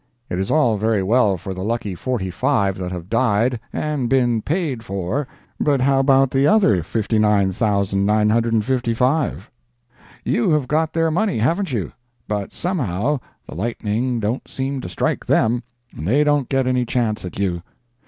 It is all very well for the lucky forty five that have died "and been paid for," but how about the other fifty nine thousand nine hundred and fifty five?" You have got their money, haven't you? but somehow the lightning don't seem to strike them, and they don't get any chance at you.